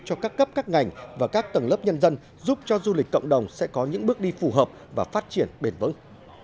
cho các cấp các ngành và các tầng lớp nhân dân giúp cho du lịch cộng đồng sẽ có những bước đi phù hợp và phát triển bền vững